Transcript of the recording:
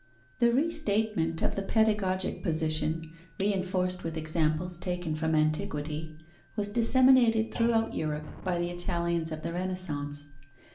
The restatement of the pedagogic position, reinforced with examples taken from antiquity, was disseminated throughout Europe by the Italians of the Renaissance.